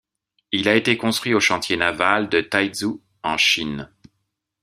Il a été construit au chantier naval de Taizhou en Chine.